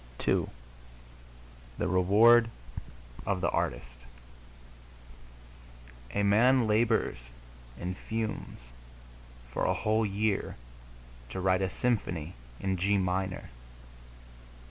II THE REWARD OF THE ARTIST A man labors and fumes for a whole year to write a symphony in G minor.